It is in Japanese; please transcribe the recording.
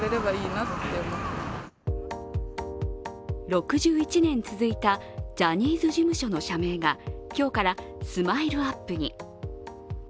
６１年続いたジャニーズ事務所の社名が今日からＳＭＩＬＥ−ＵＰ．に。